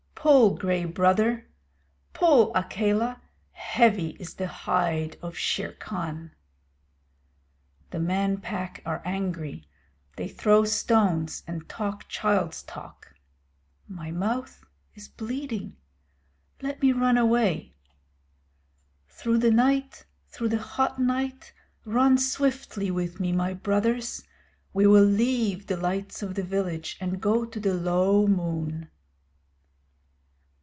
Pull, Gray Brother! Pull, Akela! Heavy is the hide of Shere Khan. The Man Pack are angry. They throw stones and talk child's talk. My mouth is bleeding. Let me run away. Through the night, through the hot night, run swiftly with me, my brothers. We will leave the lights of the village and go to the low moon.